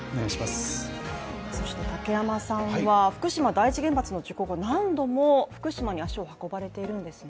そして竹山さんは福島第一原発の事故後、何度も福島に足を運ばれているんですね。